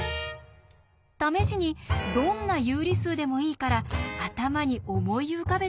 試しにどんな有理数でもいいから頭に思い浮かべて下さい。